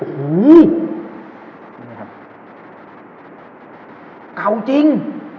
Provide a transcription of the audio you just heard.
เก่าจริง